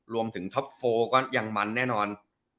รวมถึงท็อป๔ก็ยังมันแน่นอน